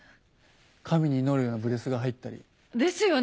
神に祈るようなブレスが入ったり。ですよね。